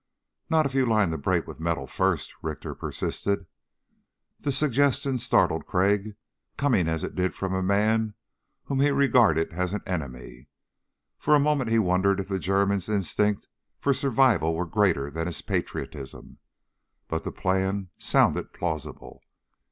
"Not if you lined the break with metal first," Richter persisted. The suggestion startled Crag, coming as it did from a man whom he regarded as an enemy. For a moment he wondered if the German's instinct for survival were greater than his patriotism. But the plan sounded plausible.